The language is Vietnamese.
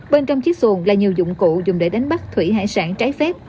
bên trong chiếc xuồng là nhiều dụng cụ dùng để đánh bắt thủy hải sản trái phép